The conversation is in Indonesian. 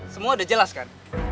semua udah jelas kan